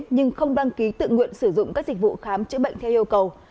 nhưng không đăng ký tự nguyện sử dụng các dịch vụ khám chữa bệnh theo yêu cầu